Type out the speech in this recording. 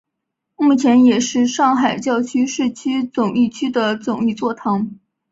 目前也是上海教区市区总铎区的总铎座堂。